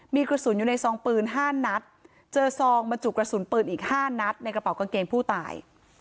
มีกระสุนอยู่ในซองปืน๕นัดเจอซองบรรจุกระสุนปืนอีก๕นัดในกระเป๋ากางเกงผู้ตาย